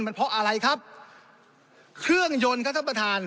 มันเพราะอะไรครับเครื่องยนต์ครับท่านประธาน